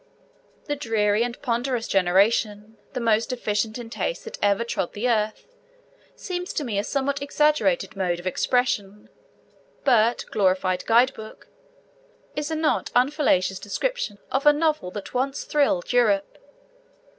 The 'dreary and ponderous generation, the most deficient in taste that ever trod the earth,' seems to me a somewhat exaggerated mode of expression, but 'glorified guide book' is a not unfelicitous description of the novel that once thrilled Europe.